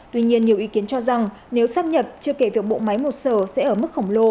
tuy nhiên nhiều ý kiến cho rằng nếu sắp nhập chưa kể việc bộ máy một sở sẽ ở mức khổng lồ